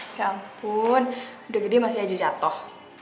ya ampun udah gede masih aja jatuh